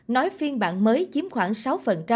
nói phiên bản mới chiếm khoảng sáu phần